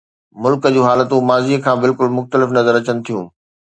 ملڪ جون حالتون ماضيءَ کان بلڪل مختلف نظر اچن ٿيون.